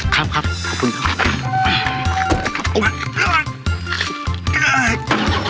ครับครับขอบคุณครับ